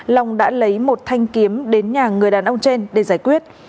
long đã lấy một thanh kiếm đến nhà người đàn ông trên để giải quyết